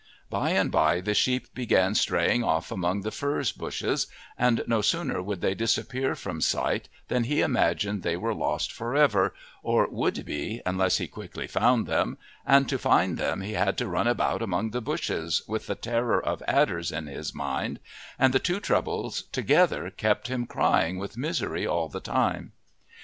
By and by the sheep began straying off among the furze bushes, and no sooner would they disappear from sight than he imagined they were lost for ever, or would be unless he quickly found them, and to find them he had to run about among the bushes with the terror of adders in his mind, and the two troubles together kept him crying with misery all the time.